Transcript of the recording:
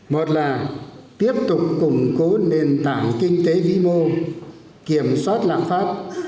một là tiếp tục củng cố nền tảng kinh tế vĩ mô kiểm soát lãng pháp